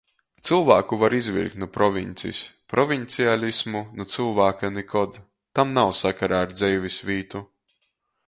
Cylvāku var izviļkt nu proviņcis, proviņcialismu nu cylvāka nikod. Tam nav sakara ar dzeivisvītu.